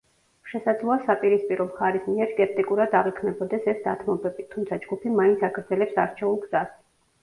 შესაძლოა საპირისპირო მხარის მიერ სკეპტიკურად აღიქმებოდეს ეს დათმობები, თუმცა ჯგუფი მაინც აგრძელებს არჩეულ გზას.